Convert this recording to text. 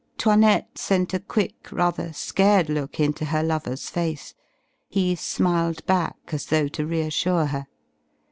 'Toinette sent a quick, rather scared look into her lover's face. He smiled back as though to reassure her.